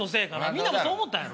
みんなもそう思ったやろ？